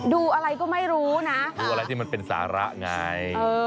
ดูอะไรก็ไม่รู้นะดูอะไรที่มันเป็นสาระไง